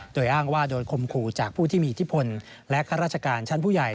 โดยอ้างว่าโดนคมขู่จากผู้ที่มีอิทธิพลและข้าราชการชั้นผู้ใหญ่